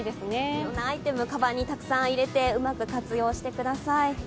いろんなアイテム、かばんにたくさん入れてうまく活用してください。